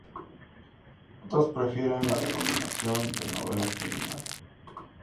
Otros prefieren la denominación de novela criminal.